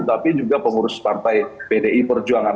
tapi juga pengurus partai pdi perjuangan